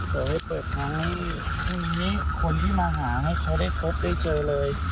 เปิดให้เปิดทางให้พรุ่งนี้คนที่มาหาให้เขาได้พบได้เจอเลย